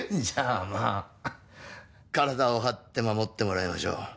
じゃあまあ体を張って護ってもらいましょう。